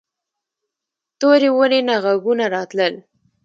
تورې ونې نه غږونه راتلل.